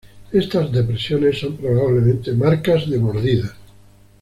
Estas depresiones son probablemente marcas de mordidas.